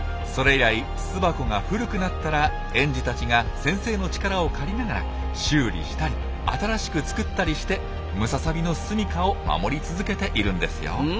それ以来巣箱が古くなったら園児たちが先生の力を借りながら修理したり新しく作ったりしてムササビのすみかを守り続けているんですよ。